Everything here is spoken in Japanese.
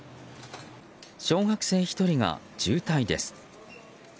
小学生１人が重体です。